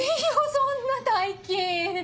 そんな大金。